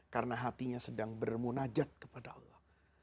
karena hatinya sedang bermunajat kepada allah